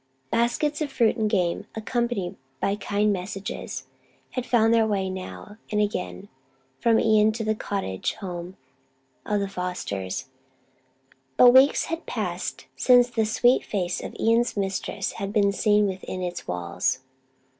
Baskets of fruit and game, accompanied by kind messages, had found their way now and again from Ion to the cottage home of the Fosters, but weeks had passed since the sweet face of Ion's mistress had been seen within its walls.